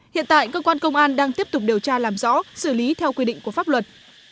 hiện tại cơ quan công an đang tiếp tục điều tra làm rõ xử lý theo quy định của pháp luật